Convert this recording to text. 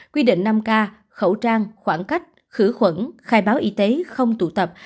quy định năm k khẩu trang khoảng cách khử khuẩn khai báo y tế không tụ tập